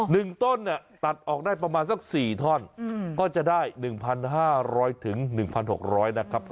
อ๋อนึงต้นตัดออกได้ประมาณสัก๔ท่อนก็จะได้๑๕๐๐ถึง๑๖๐๐นะครับ